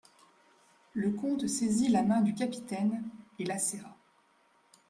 Le comte saisit la main du capitaine et la serra.